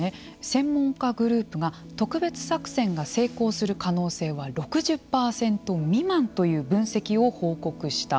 専門家グループが特別作戦が成功する可能性は６０％未満という分析を報告した。